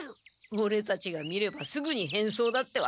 オレたちが見ればすぐに変装だって分かる。